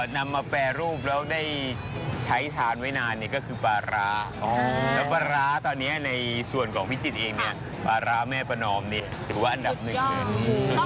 ในน้ำมีปลาในน้ำนี้ข้าวเลย